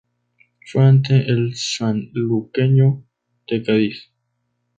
Fue ante el Sanluqueño, de Cádiz.